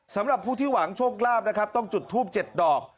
สำหรับผู้ที่หวังโชคลาภนะครับต้องจุดทูบ๗ดอก